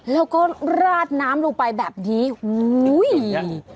แล้วก็ราดน้ำลงไปแบบนี้อุ้ย